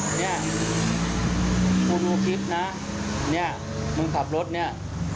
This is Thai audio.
เป็นนี่มันขับรถนี่